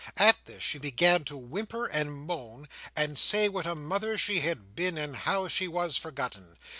At this she began to whimper and moan, and say what a mother she had been, and how she was forgotten!